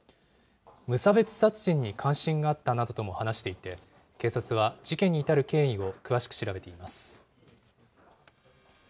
無差別殺人に関心があったなどとも話していて、警察は事件に至る経緯を詳しく調べています。